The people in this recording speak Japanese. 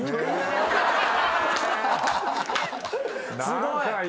すごい。